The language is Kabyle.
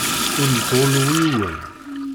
Ur yettɣullu yiwen.